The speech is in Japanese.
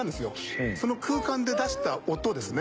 その空間で出した音ですね